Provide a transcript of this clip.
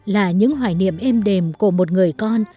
là những hoài niệm êm đềm của một người con